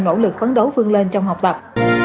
nỗ lực phấn đấu phương lên trong học tập